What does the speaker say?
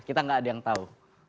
kita gak ada yang tau